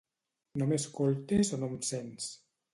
No m'escoltes o no em sents?